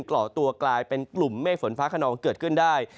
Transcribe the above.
เกาะตัวกลายเป็นกลุ่มเมฆฝนฟ้าขนองเกิดขึ้นได้